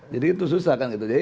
jadi itu susah